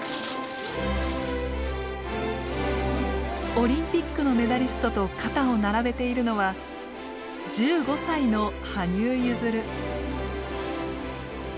オリンピックのメダリストと肩を並べているのは１５歳の羽生結弦。